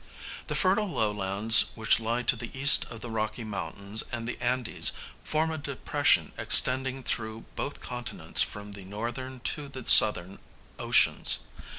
The fertile lowlands which lie to the east of the Rocky Mountains and the Andes form a depression extending through both continents from the northern to the southern oceans.